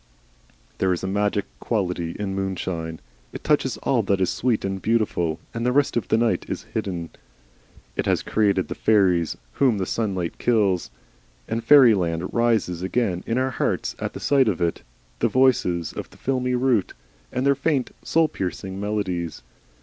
There is a magic quality in moonshine; it touches all that is sweet and beautiful, and the rest of the night is hidden. It has created the fairies, whom the sunlight kills, and fairyland rises again in our hearts at the sight of it, the voices of the filmy route, and their faint, soul piercing melodies.